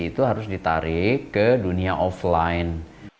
itu harus ditarik ke dunia offline